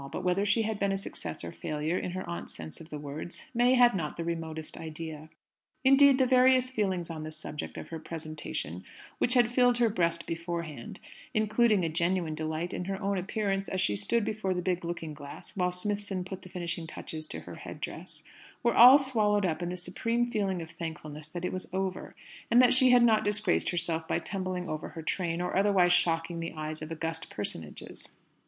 But whether she had been a success or a failure, in her aunt's sense of the words, May had not the remotest idea. Indeed, the various feelings on the subject of her presentation which had filled her breast beforehand (including a genuine delight in her own appearance as she stood before the big looking glass, while Smithson put the finishing touches to her head dress), were all swallowed up in the supreme feeling of thankfulness that it was over; and that she had not disgraced herself by tumbling over her train, or otherwise shocking the eyes of august personages.